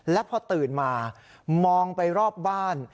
และพอตื่นมามองไปรอบบ้าน